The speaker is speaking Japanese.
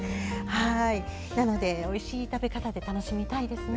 なので、おいしい食べ方で楽しみたいですね。